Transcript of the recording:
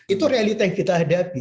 itu realita yang kita hadapi